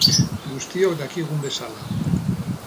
Guztiok dakigun bezala.